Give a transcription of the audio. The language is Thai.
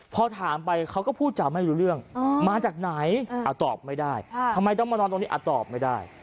พอถามไปเขาก็พูดจาไม่รู้เรื่องมาจากไหนตอบไม่ได้ทำไมต้องมานอนตรงนี้ตอบไม่ได้